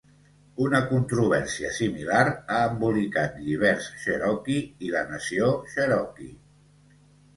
Una controvèrsia similar ha embolicat lliberts Cherokee i la Nació Cherokee.